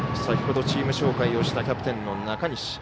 先ほどチーム紹介をしたキャプテンの中西。